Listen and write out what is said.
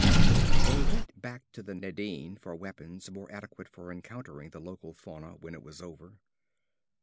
They went back to the Nadine for weapons more adequate for encountering the local fauna when it was over.